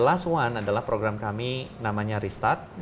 last one adalah program kami namanya restart